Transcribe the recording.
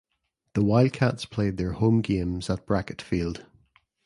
The Wildcats played their home games at Brackett Field.